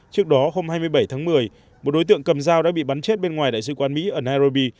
trước đó hôm hai mươi bảy tháng một mươi một đối tượng cầm dao đã bị bắn chết bên ngoài đại sứ quán mỹ ở nairobi